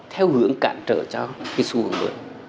theo hướng cản trở cho sự hưởng lượng